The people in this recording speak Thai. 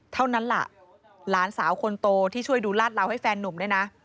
เท่านั้นล่ะหลานสาวคนโตที่ช่วยดูลาดเหลาให้แฟนนุ่มด้วยนะ